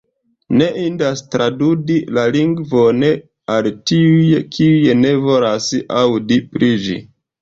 Ne indas trudadi la lingvon al tiuj, kiuj ne volas aŭdi pri ĝi.